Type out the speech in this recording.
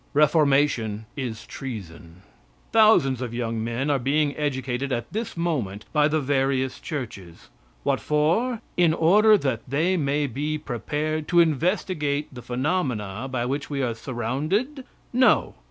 Reformation is treason. Thousands of young men are being educated at this moment by the various churches. What for? In order that they may be prepared to investigate the phenomena by which we are surrounded? No!